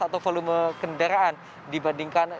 atau volume kendaraan dibandingkan